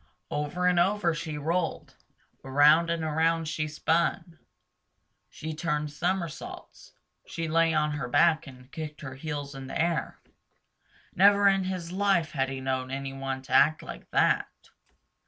Over and over she rolled. Around and around she spun. She turned somersaults. She lay on her back and kicked her heels in the air. Never in his life had he known any one to act like that.